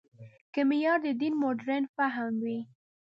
که معیار د دین مډرن فهم وي.